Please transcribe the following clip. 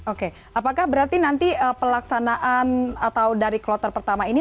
oke apakah berarti nanti pelaksanaan atau dari kloter pertama ini